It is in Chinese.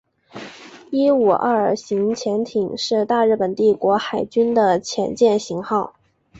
伊五二型潜艇是大日本帝国海军的潜舰型号。